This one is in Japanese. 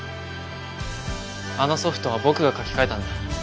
あのソフトは僕が書き換えたんだ。